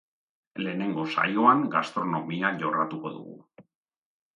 Lehenengo saioan gastronomia jorratuko dugu.